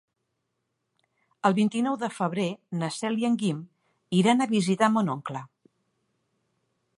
El vint-i-nou de febrer na Cel i en Guim iran a visitar mon oncle.